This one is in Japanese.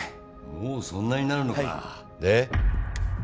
もうそんなになるのかで？